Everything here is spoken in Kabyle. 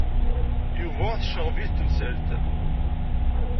Yuba tecɣeb-it temsalt.